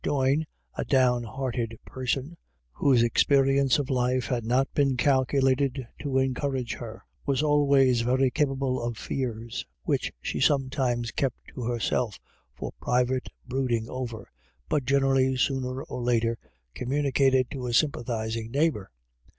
Doyne, a down hearted person, whose experience of life had not been calculated to encourage her, was always very capable of fears, which she sometimes kept to herself for private brooding over, but generally sooner or later, com municated to a sympathising neighbour.